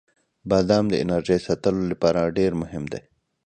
• بادام د انرژۍ ساتلو لپاره ډیر مهم دی.